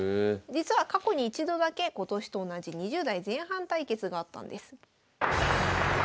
実は過去に一度だけ今年と同じ２０代前半対決があったんです。